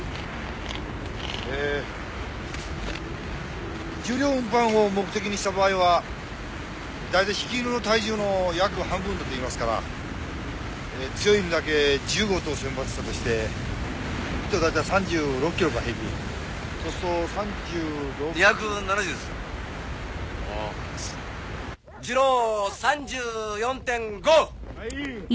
ええ重量運搬を目的にした場合は大体引き犬の体重の約半分だといいますから強い犬だけ１５頭選抜したとして１頭大体３６キロが平均そうすっと２７０ですはあジロ３４．５！